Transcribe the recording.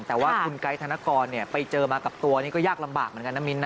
แต่ว่าคุณไกด์ธนกรไปเจอมากับตัวนี่ก็ยากลำบากเหมือนกันนะมิ้นนะ